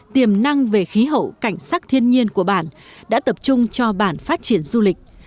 tiềm năng về khí hậu cảnh sắc thiên nhiên của bản đã tập trung cho bản phát triển du lịch